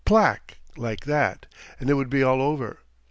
Plack! like that and it would be all over.